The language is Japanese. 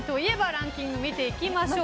ランキング見ていきましょう。